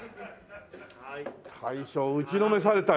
大将打ちのめされたよ。